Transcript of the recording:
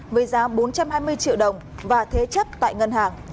với giá bốn trăm hai mươi triệu đồng và thế chấp tại ngân hàng